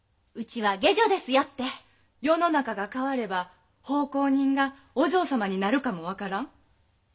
世の中が変われば奉公人がお嬢様になるかも分からん。